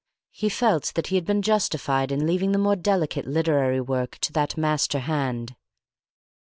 He felt that he had been justified in leaving the more delicate literary work to that master hand.